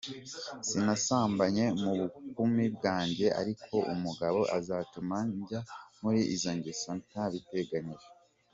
Sinasambanye mu bukumi bwanjte Aliko umugabo azatuma njya muri Izo ngeso ntabiteganije.